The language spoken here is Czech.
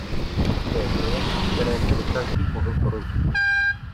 To je projekt, kterému by každý mohl porozumět.